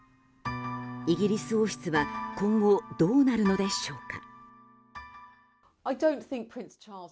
イギリス王室は今後どうなるのでしょうか。